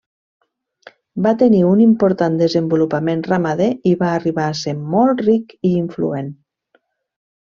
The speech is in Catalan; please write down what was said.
Va tenir un important desenvolupament ramader i va arribar a ser molt ric i influent.